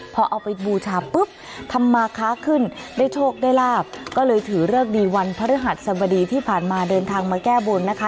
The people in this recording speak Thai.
พอเอาไปบูชาปุ๊บทำมาค้าขึ้นได้โชคได้ลาบก็เลยถือเลิกดีวันพระฤหัสสบดีที่ผ่านมาเดินทางมาแก้บนนะคะ